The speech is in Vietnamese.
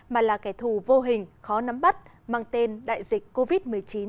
mà là kẻ thù vô hình khó nắm bắt mang tên đại dịch covid một mươi chín